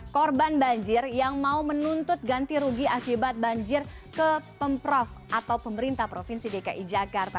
korban banjir yang mau menuntut ganti rugi akibat banjir ke pemprov atau pemerintah provinsi dki jakarta